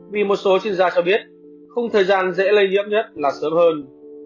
vì một số chuyên gia cho biết khung thời gian dễ lây nhiễm nhất là sớm hơn